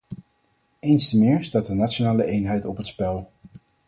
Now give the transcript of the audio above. Eens te meer staat de nationale eenheid op het spel.